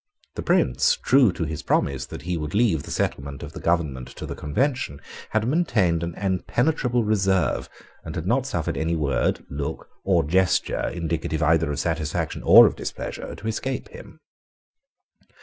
The Prince, true to his promise that he would leave the settlement of the government to the Convention, had maintained an impenetrable reserve, and had not suffered any word, look, or gesture, indicative either of satisfaction or of displeasure, to escape him.